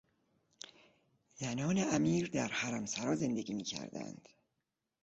زنان امیر در حرمسرا زندگی میکردند.